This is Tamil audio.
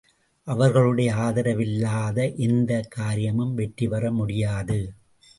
அவர்களுடைய ஆதரவில்லாத எந்தக் காரியமும் வெற்றிபெற முடியாது.